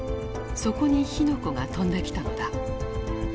そこに火の粉が飛んできたのだ。